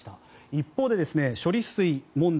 一方で処理水問題